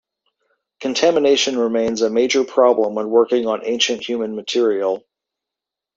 Contamination remains a major problem when working on ancient human material.